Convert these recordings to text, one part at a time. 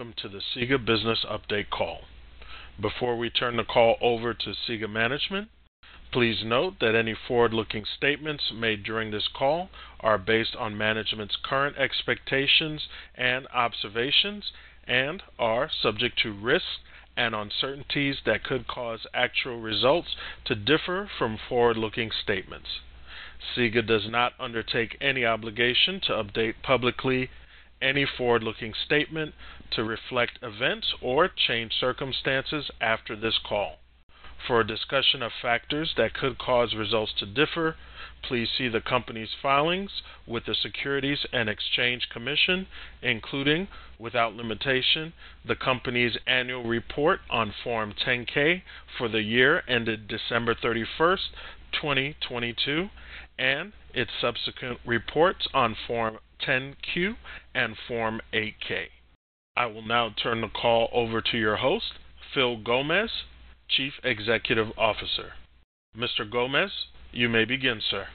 Welcome to the SIGA Business Update Call. Before we turn the call over to SIGA management, please note that any forward-looking statements made during this call are based on management's current expectations and observations, and are subject to risks and uncertainties that could cause actual results to differ from forward-looking statements. SIGA does not undertake any obligation to update publicly any forward-looking statement to reflect events or change circumstances after this call. For a discussion of factors that could cause results to differ, please see the company's filings with the Securities and Exchange Commission, including, without limitation, the company's Annual Report on Form 10-K for the year ended December 31, 2022, and its subsequent reports on Form 10-Q and Form 8-K. I will now turn the call over to your host, Phil Gomez, Chief Executive Officer. Mr. Gomez, you may begin, sir.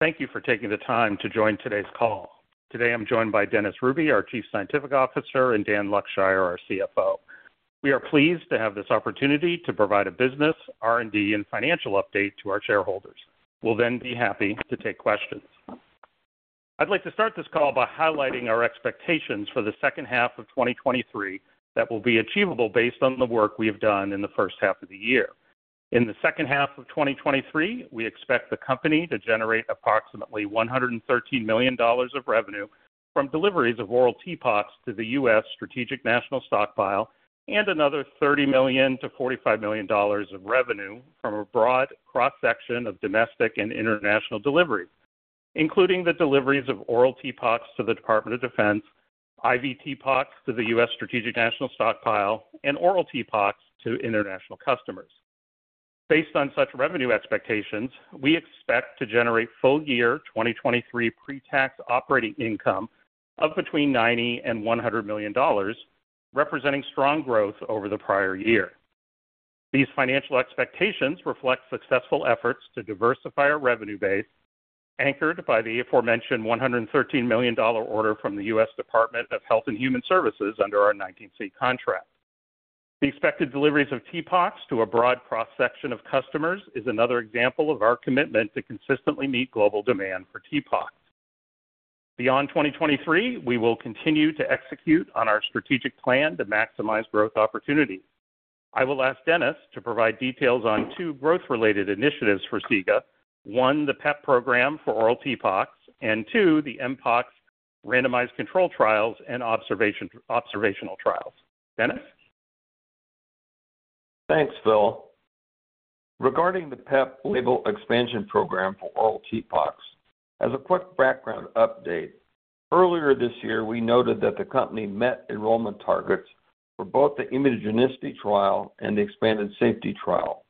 Thank you for taking the time to join today's call. Today I'm joined by Dennis E. Hruby, our Chief Scientific Officer, and Daniel Luckshire, our CFO. We are pleased to have this opportunity to provide a business, R&D, and financial update to our shareholders. We'll then be happy to take questions. I'd like to start this call by highlighting our expectations for the second half of 2023, that will be achievable based on the work we have done in the first half of the year. In the second half of 2023, we expect the company to generate approximately $113 million of revenue from deliveries of oral TPOXX to the U.S. Strategic National Stockpile, and another $30 million–$45 million of revenue from a broad cross-section of domestic and international deliveries, including the deliveries of oral TPOXX to the Department of Defense, IV TPOXX to the U.S. Strategic National Stockpile, and oral TPOXX to international customers. Based on such revenue expectations, we expect to generate full-year 2023 pre-tax operating income of between $90 million–$100 million, representing strong growth over the prior year. These financial expectations reflect successful efforts to diversify our revenue base, anchored by the aforementioned $113 million order from the U.S. Department of Health and Human Services under our 19C contract. The expected deliveries of TPOXX to a broad cross-section of customers is another example of our commitment to consistently meet global demand for TPOXX. Beyond 2023, we will continue to execute on our strategic plan to maximize growth opportunities. I will ask Dennis to provide details on two growth-related initiatives for SIGA. One, the PEP program for oral TPOXX, and two, the MPOX randomized controlled trials and observational trials. Dennis? Thanks, Phil. Regarding the PEP label expansion program for oral TPOXX, as a quick background update, earlier this year, we noted that the company met enrollment targets for both the immunogenicity trial and the expanded safety trial.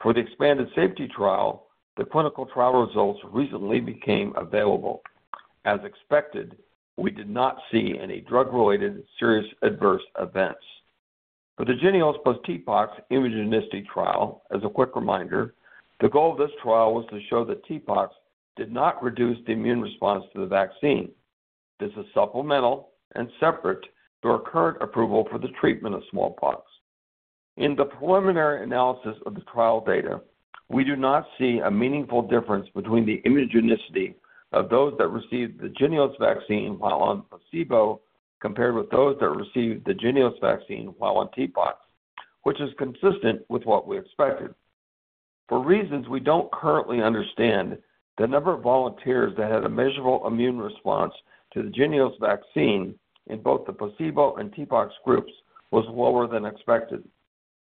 For the expanded safety trial, the clinical trial results recently became available. As expected, we did not see any drug-related serious adverse events. For the JYNNEOS plus TPOXX immunogenicity trial, as a quick reminder, the goal of this trial was to show that TPOXX did not reduce the immune response to the vaccine. This is supplemental and separate to our current approval for the treatment of smallpox. In the preliminary analysis of the trial data, we do not see a meaningful difference between the immunogenicity of those that received the JYNNEOS vaccine while on placebo, compared with those that received the JYNNEOS vaccine while on TPOXX, which is consistent with what we expected. For reasons we don't currently understand, the number of volunteers that had a measurable immune response to the JYNNEOS vaccine in both the placebo and TPOXX groups was lower than expected.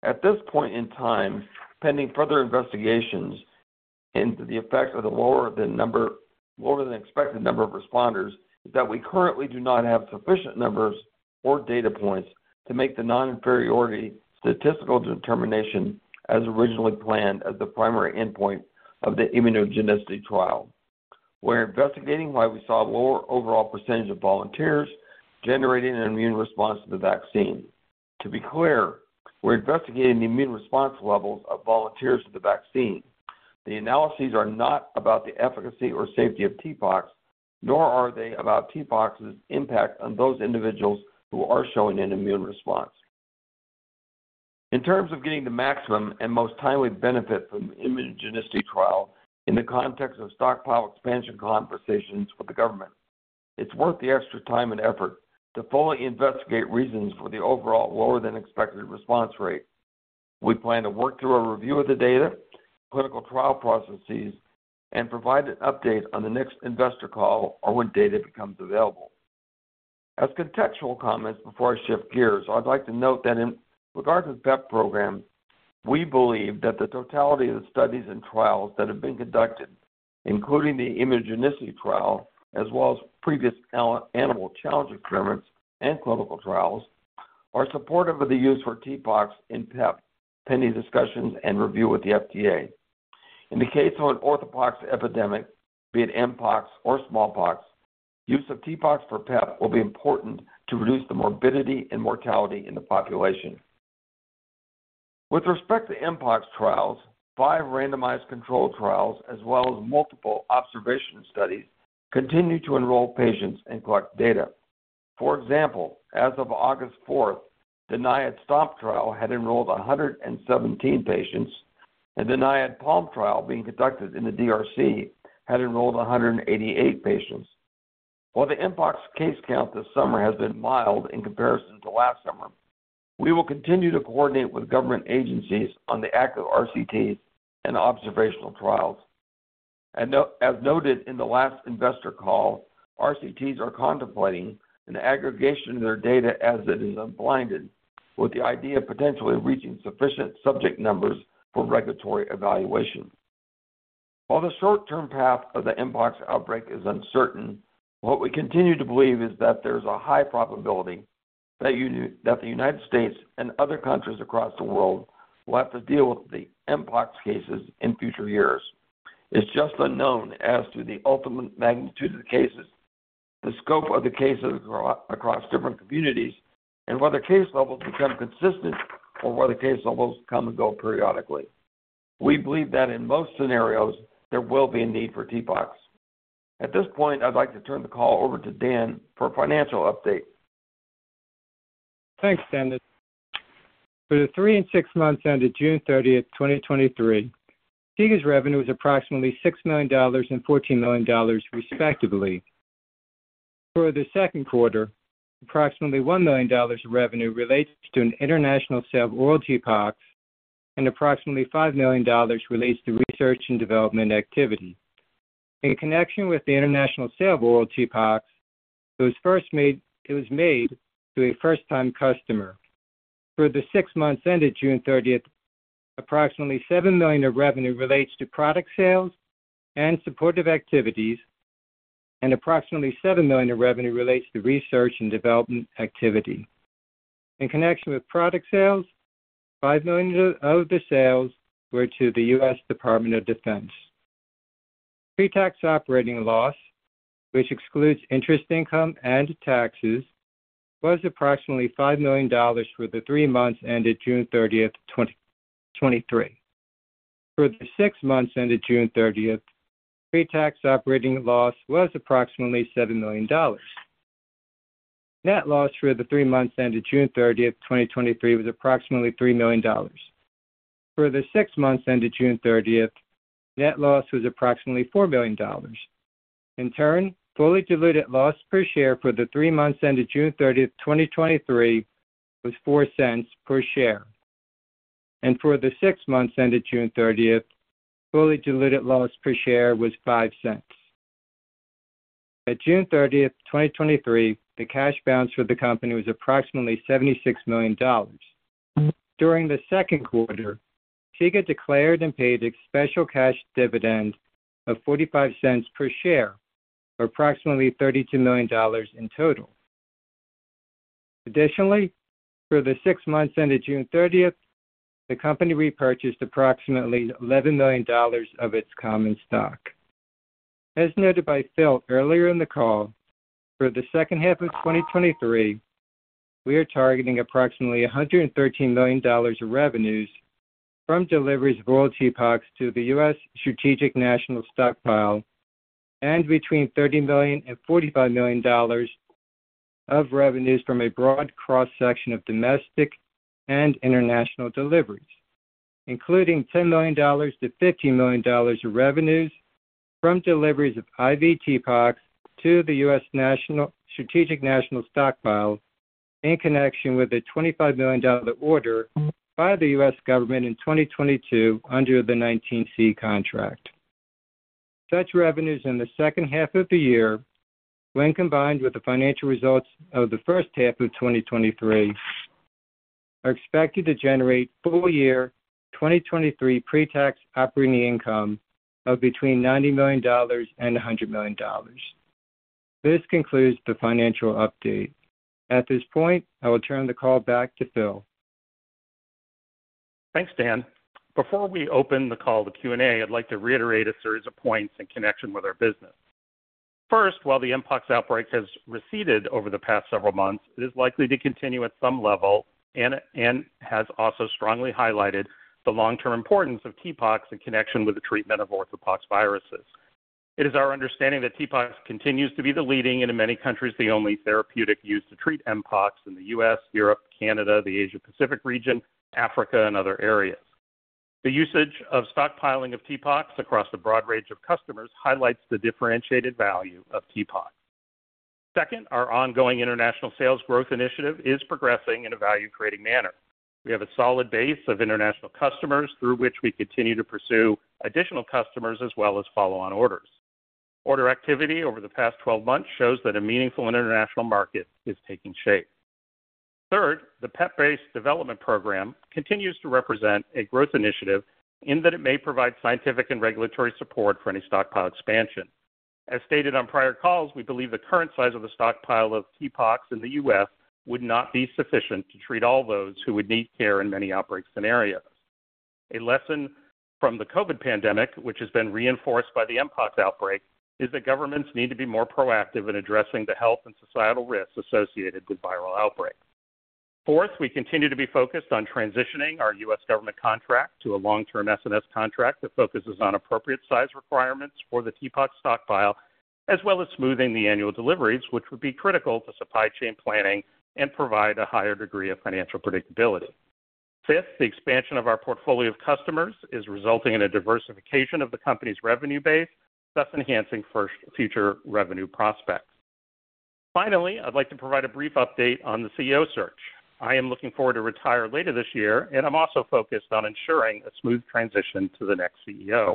At this point in time, pending further investigations into the effect of the lower than expected number of responders, is that we currently do not have sufficient numbers or data points to make the non-inferiority statistical determination as originally planned as the primary endpoint of the immunogenicity trial. We're investigating why we saw a lower overall percentage of volunteers generating an immune response to the vaccine. To be clear, we're investigating the immune response levels of volunteers to the vaccine. The analyses are not about the efficacy or safety of TPOXX, nor are they about TPOXX's impact on those individuals who are showing an immune response. In terms of getting the maximum and most timely benefit from the immunogenicity trial in the context of stockpile expansion conversations with the government, it's worth the extra time and effort to fully investigate reasons for the overall lower-than-expected response rate. We plan to work through a review of the data, clinical trial processes, and provide an update on the next investor call or when data becomes available. As contextual comments before I shift gears, I'd like to note that in regard to the PEP program, we believe that the totality of the studies and trials that have been conducted, including the immunogenicity trial, as well as previous animal challenge experiments and clinical trials, are supportive of the use for TPOXX in PEP, pending discussions and review with the FDA. In the case of an orthopox epidemic, be it MPOX or smallpox, use of TPOXX for PEP will be important to reduce the morbidity and mortality in the population. With respect to MPOX trials, five randomized controlled trials, as well as multiple observation studies, continue to enroll patients and collect data. For example, as of August 4, the NIAID STOMP trial had enrolled 117 patients, and the NIAID PALM007 trial being conducted in the DRC had enrolled 188 patients. While the MPOX case count this summer has been mild in comparison to last summer, we will continue to coordinate with government agencies on the active RCTs and observational trials. As noted in the last investor call, RCTs are contemplating an aggregation of their data as it is unblinded, with the idea of potentially reaching sufficient subject numbers for regulatory evaluation. While the short-term path of the MPOX outbreak is uncertain, what we continue to believe is that there's a high probability that the United States and other countries across the world will have to deal with the MPOX cases in future years. It's just unknown as to the ultimate magnitude of the cases, the scope of the cases across different communities, and whether case levels become consistent or whether case levels come and go periodically. We believe that in most scenarios, there will be a need for TPOXX. At this point, I'd like to turn the call over to Dan for a financial update. Thanks, Dennis. For the three and six months ended June 30, 2023, SIGA's revenue was approximately $6 million and $14 million, respectively. For the second quarter, approximately $1 million of revenue relates to an international sale of TPOXX, and approximately $5 million relates to research and development activity. In connection with the international sale of TPOXX, it was made to a first-time customer. For the six months ended June 30, approximately $7 million of revenue relates to product sales and supportive activities, and approximately $7 million of revenue relates to research and development activity. In connection with product sales, $5 million of the sales were to the U.S. Department of Defense. Pretax operating loss, which excludes interest income, and taxes, was approximately $5 million for the three months ended June 30, 2023. For the six months ended June 30, pre-tax operating loss was approximately $7 million. Net loss for the three months ended June 30, 2023, was approximately $3 million. For the six months ended June 30, net loss was approximately $4 million. In turn, fully diluted loss per share for the three months ended June 30, 2023, was $0.04 per share, and for the six months ended June 30, fully diluted loss per share was $0.05. At June 30, 2023, the cash balance for the company was approximately $76 million. During the second quarter, SIGA declared and paid a special cash dividend of $0.45 per share, or approximately $32 million in total. Additionally, for the six months ended June 30, the company repurchased approximately $11 million of its common stock. As noted by Phil earlier in the call, for the second half of 2023, we are targeting approximately $113 million of revenues from deliveries of oral TPOXX to the U.S. Strategic National Stockpile, and between $30 million–$45 million of revenues from a broad cross-section of domestic and international deliveries, including $10 million–$15 million of revenues from deliveries of IV TPOXX to the U.S. Strategic National Stockpile in connection with a $25 million order by the U.S. government in 2022 under the 19C contract. Such revenues in the second half of the year, when combined with the financial results of the first half of 2023, are expected to generate full-year 2023 pretax operating income of between $90 million–$100 million. This concludes the financial update. At this point, I will turn the call back to Phil. Thanks, Dan. Before we open the call to Q&A, I'd like to reiterate a series of points in connection with our business. First, while the MPOX outbreak has receded over the past several months, it is likely to continue at some level and has also strongly highlighted the long-term importance of TPOXX in connection with the treatment of orthopoxviruses. It is our understanding that TPOXX continues to be the leading and in many countries, the only therapeutic used to treat MPOX in the U.S., Europe, Canada, the Asia-Pacific region, Africa, and other areas. The usage of stockpiling of TPOXX across a broad range of customers highlights the differentiated value of TPOXX. Second, our ongoing international sales growth initiative is progressing in a value-creating manner. We have a solid base of international customers through which we continue to pursue additional customers, as well as follow-on orders. Order activity over the past 12 months shows that a meaningful international market is taking shape. The PEP-based development program continues to represent a growth initiative in that it may provide scientific and regulatory support for any stockpile expansion. As stated on prior calls, we believe the current size of the stockpile of TPOXX in the U.S. would not be sufficient to treat all those who would need care in many outbreak scenarios. A lesson from the COVID pandemic, which has been reinforced by the MPOX outbreak, is that governments need to be more proactive in addressing the health and societal risks associated with viral outbreaks. Fourth, we continue to be focused on transitioning our U.S. government contract to a long-term SNS contract that focuses on appropriate size requirements for the TPOXX stockpile, as well as smoothing the annual deliveries, which would be critical to supply chain planning and provide a higher degree of financial predictability. Fifth, the expansion of our portfolio of customers is resulting in a diversification of the company's revenue base, thus enhancing first future revenue prospects. Finally, I'd like to provide a brief update on the CEO search. I am looking forward to retire later this year, and I'm also focused on ensuring a smooth transition to the next CEO.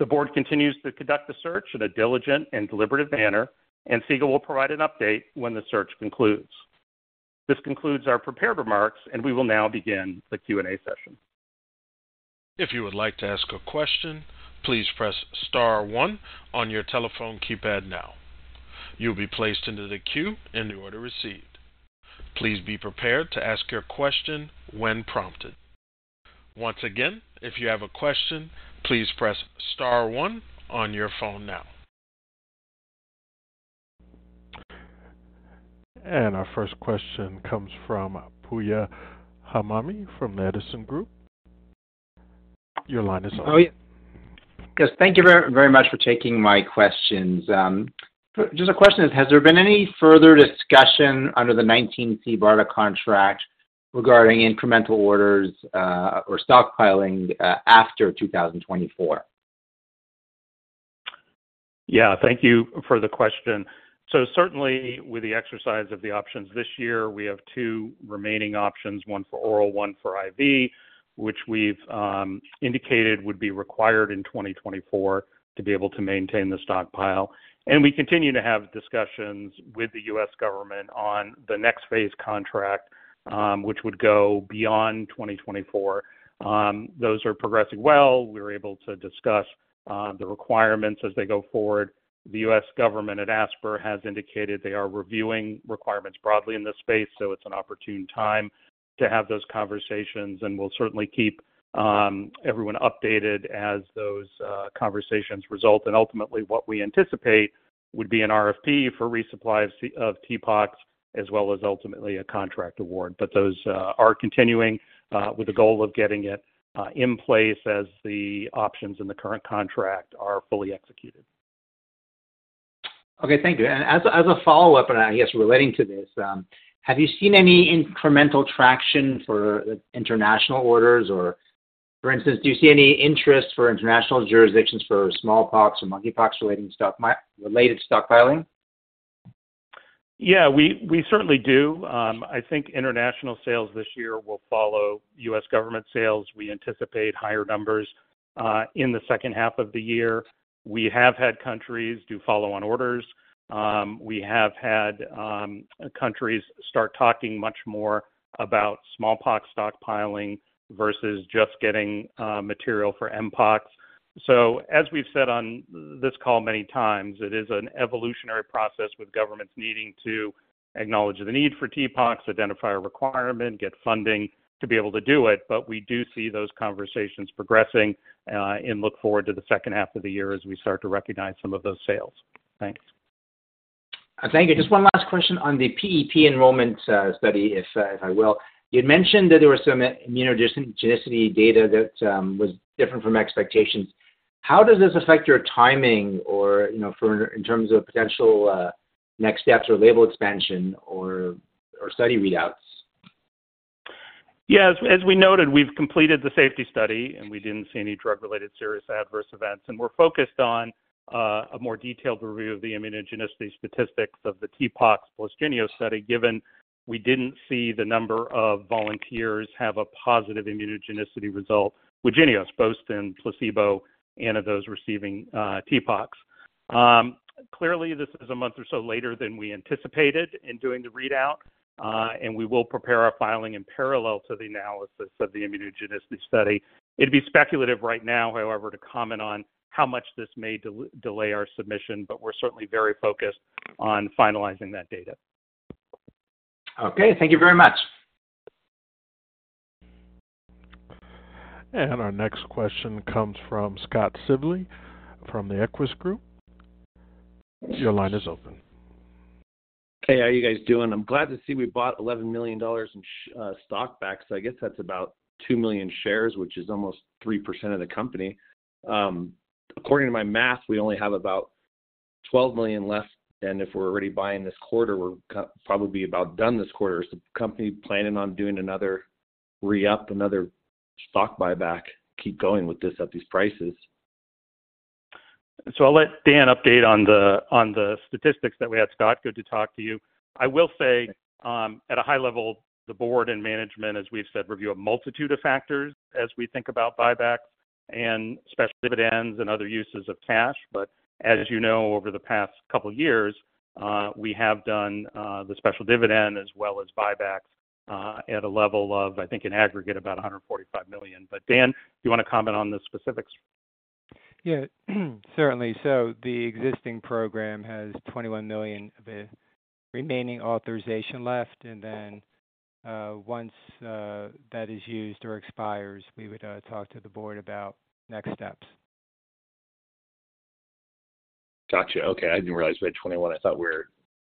The board continues to conduct the search in a diligent and deliberative manner, and SIGA will provide an update when the search concludes. This concludes our prepared remarks, and we will now begin the Q&A session. If you would like to ask a question, please press star one on your telephone keypad now. You'll be placed into the queue in the order received. Please be prepared to ask your question when prompted. Once again, if you have a question, please press star one on your phone now. Our first question comes from Puya Hamami from Madison Group. Your line is open. Oh, yes. Thank you very much for taking my questions. Just a question, has there been any further discussion under the 19C BARDA contract regarding incremental orders, or stockpiling, after 2024? Yeah, thank you for the question. Certainly with the exercise of the options this year, we have two remaining options, one for oral, one for IV, which we've indicated would be required in 2024 to be able to maintain the stockpile. We continue to have discussions with the U.S. government on the next phase contract, which would go beyond 2024. Those are progressing well. We're able to discuss the requirements as they go forward. The U.S. government at ASPR has indicated they are reviewing requirements broadly in this space, so it's an opportune time to have those conversations, and we'll certainly keep everyone updated as those conversations result. Ultimately, what we anticipate would be an RFP for resupply of TPOXX as well as ultimately a contract award. Those are continuing with the goal of getting it in place as the options in the current contract are fully executed. Okay, thank you. As, as a follow-up and I guess relating to this, have you seen any incremental traction for international orders? For instance, do you see any interest for international jurisdictions for smallpox and monkeypox-related stock, related stockpiling? Yeah, we, we certainly do. I think international sales this year will follow U.S. government sales. We anticipate higher numbers in the second half of the year. We have had countries do follow-on orders. We have had countries start talking much more about smallpox stockpiling versus just getting material for MPOX. As we've said on this call many times, it is an evolutionary process with governments needing to acknowledge the need for TPOXX, identify a requirement, get funding to be able to do it. We do see those conversations progressing and look forward to the second half of the year as we start to recognize some of those sales. Thanks. Thank you. Just one last question on the PEP enrollment study, if, if I will. You had mentioned that there was some immunogenicity data that was different from expectations. How does this affect your timing or, you know, for in terms of potential next steps or label expansion or, or study readouts? As we noted, we've completed the safety study, and we didn't see any drug-related serious adverse events. We're focused on a more detailed review of the immunogenicity statistics of the TPOXX plus JYNNEOS study, given we didn't see the number of volunteers have a positive immunogenicity result with JYNNEOS, both in placebo and those receiving TPOXX. Clearly, this is a month or so later than we anticipated in doing the readout, and we will prepare our filing in parallel to the analysis of the immunogenicity study. It'd be speculative right now, however, to comment on how much this may delay our submission, but we're certainly very focused on finalizing that data. Okay, thank you very much. Our next question comes from Scott Sibley, from the Equus Group. Your line is open. Hey, how are you guys doing? I'm glad to see we bought $11 million in stock back. I guess that's about two million shares, which is almost 3% of the company. According to my math, we only have about $12 million left, and if we're already buying this quarter, we're probably about done this quarter. Is the company planning on doing another re-up, another stock buyback, keep going with this at these prices? I'll let Dan update on the, on the statistics that we had, Scott. Good to talk to you. I will say, at a high level, the board and management, as we've said, review a multitude of factors as we think about buybacks and special dividends and other uses of cash. As you know, over the past couple of years, we have done the special dividend as well as buybacks, at a level of, I think, in aggregate, about $145 million. Dan, do you want to comment on the specifics? Yeah, certainly. The existing program has $21 million of the remaining authorization left, and then, once that is used or expires, we would talk to the board about next steps. Gotcha. Okay, I didn't realize we had 21. I thought we were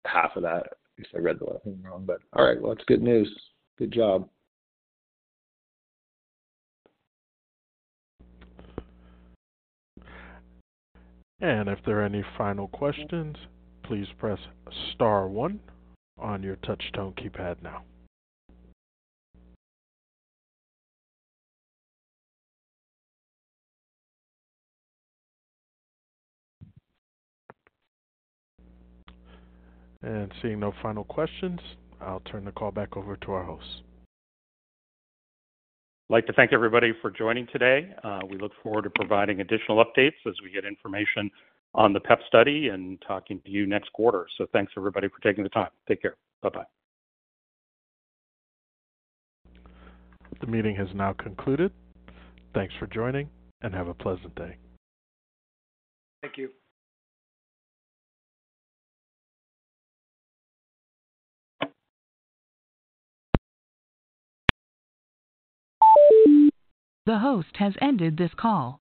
half of that. I guess I read the wrong, but all right, well, it's good news. Good job. If there are any final questions, please press star one on your touch tone keypad now. Seeing no final questions, I'll turn the call back over to our host. I'd like to thank everybody for joining today. We look forward to providing additional updates as we get information on the PEP study and talking to you next quarter. Thanks, everybody, for taking the time. Take care. Bye-bye. The meeting has now concluded. Thanks for joining, and have a pleasant day. Thank you. The host has ended this call.